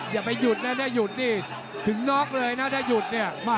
ถ้ายุดแล้วถ้ายุดนี่ถึงนอกเลยนะถ้ายุดเนี่ย